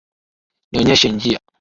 Nionyeshe njia.